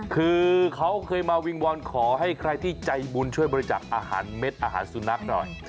คือเขาเคยมาวิงวอนขอให้ใครที่ใจบุญช่วยบริจักษ์อาหารเม็ดอาหารสุนัขหน่อย